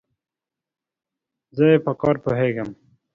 زه ئې په کار پوهېږم.